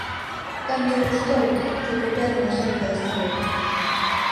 Tanto gustou, que copiaron a esencia desta lei.